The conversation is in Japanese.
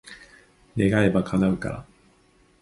願えば、叶うから。